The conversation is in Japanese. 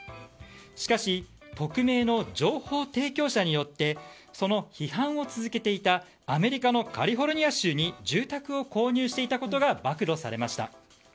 しかし匿名の情報提供者によってその批判を続けていたアメリカのカリフォルニア州に住宅を購入していたことが暴露されました。